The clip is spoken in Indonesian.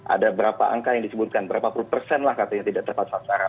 ada berapa angka yang disebutkan berapa puluh persen lah katanya tidak tepat sasaran